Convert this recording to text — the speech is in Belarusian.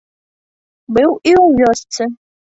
Быў і ў вёсцы.